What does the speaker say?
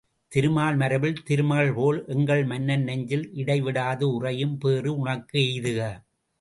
திருமால் மார்பில் திருமகள்போல் எங்கள் மன்னன் நெஞ்சில் இடை விடாது உறையும் பேறு உனக்கு எய்துக!